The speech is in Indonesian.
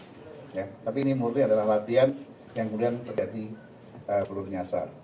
tapi ini murni adalah latihan yang kemudian terjadi peluru nyasar